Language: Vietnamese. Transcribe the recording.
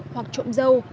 hoặc trộm dâu